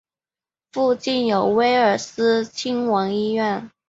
附近有威尔斯亲王医院。